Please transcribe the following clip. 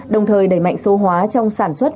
đồng thời đẩy mạnh số hóa trong sản xuất